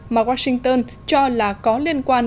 mà washington cho là có liên quan